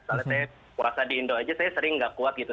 soalnya saya merasa di indo aja saya sering gak kuat gitu